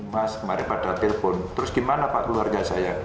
mas kemarin pada telpon terus gimana pak keluarga saya